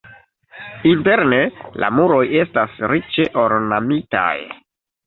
Interne la muroj estas riĉe ornamitaj.